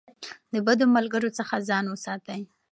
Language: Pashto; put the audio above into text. د بدو ملګرو څخه ځان وساتئ.